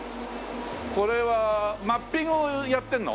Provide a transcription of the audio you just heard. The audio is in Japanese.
これはマッピングをやってるの？